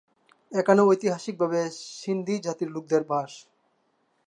এখানে ঐতিহাসিকভাবে সিন্ধি জাতির লোকদের বাস।